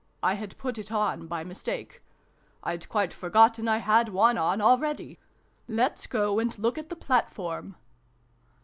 I had put it on by mistake. I'd quite forgotten I had one on, already. Let's go and look at the platform."